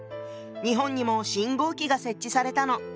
日本にも信号機が設置されたの。